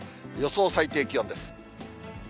予想最低気温です。